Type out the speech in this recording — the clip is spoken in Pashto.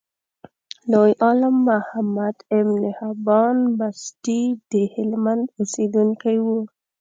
لوی عالم محمد ابن حبان بستي دهلمند اوسیدونکی و.